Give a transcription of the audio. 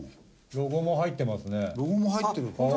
ロゴも入って。